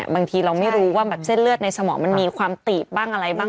บางทีเราไม่รู้ว่าแบบเส้นเลือดในสมองมันมีความตีบบ้างอะไรบ้าง